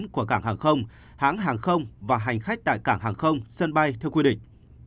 của cảng hàng không hãng hàng không và hành khách tại cảng hàng không sân bay theo quy định